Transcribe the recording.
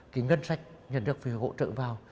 cái ngân sách nhận được về hỗ trợ vào